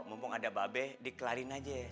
mumpung ada babes dikelarin aja ya